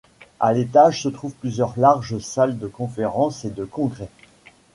À l’étage se trouvent plusieurs larges salles de conférences et de congrès.